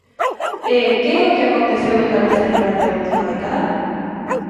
E ¿que é o que aconteceu en Galiza durante a última década?